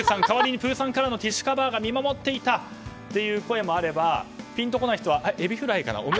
代わりにプーさんカラーのティッシュカバーが見守っていたという声もあればピンとこない人はエビフライかな？